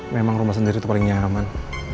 memang rumah sendiri itu paling nyaman